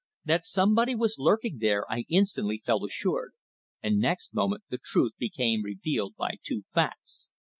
That somebody was lurking there I instantly felt assured, and next moment the truth became revealed by two facts.